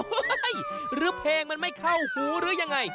หรือเพลงมันไม่เข้าหูหรือยังไง